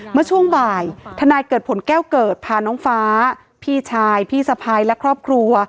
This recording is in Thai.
เมื่อช่วงบ่ายทนายเกิดผลแก้วเกิดพาน้องฟ้าพี่ชายพี่สะพ้ายและครอบครัว